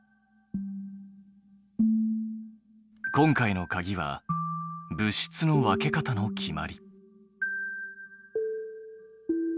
今回のかぎは物質の分け方の決まり。